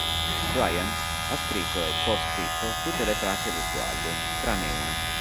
Bryan ha scritto e co-scritto tutte le tracce del suo album, tranne una.